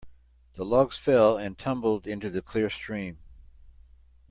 The logs fell and tumbled into the clear stream.